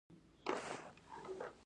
هر قسم مېوه چې وغواړې درته رسېږي.